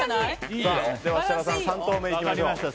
では設楽さん３投目いきましょう。